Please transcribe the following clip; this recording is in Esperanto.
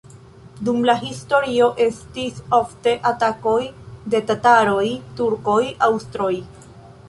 Dum la historio estis ofte atakoj de tataroj, turkoj, aŭstroj.